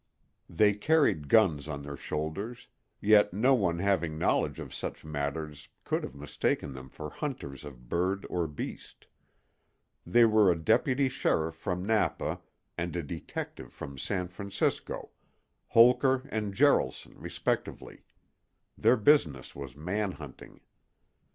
They carried guns on their shoulders, yet no one having knowledge of such matters could have mistaken them for hunters of bird or beast. They were a deputy sheriff from Napa and a detective from San Francisco—Holker and Jaralson, respectively. Their business was man hunting.